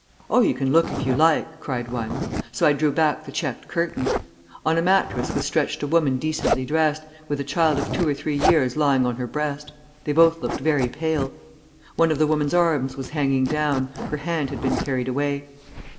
'Oh, you can look if you like,' cried one; so I drew back the checked curtain. On a mattress was stretched a woman decently dressed, with a child of two or three years lying on her breast. They both looked very pale. One of the woman's arms was hanging down; her hand had been carried away.